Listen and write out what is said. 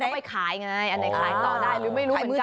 เขาไปขายไงอันไหนขายต่อได้หรือไม่รู้เหมือนกัน